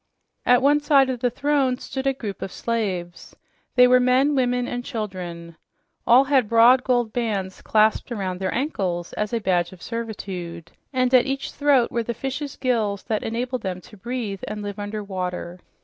At one side of the throne stood a group of slaves. They were men, women and children. All had broad gold bands clasped around their ankles as a badge of servitude, and at each throat were the fish's gills that enabled them to breathe and live under water.